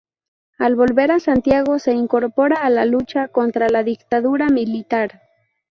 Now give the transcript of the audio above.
Al volver a Santiago se incorpora a la lucha contra la dictadura militar.